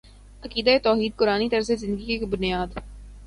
عقیدہ توحید قرآنی طرزِ زندگی کی بنیاد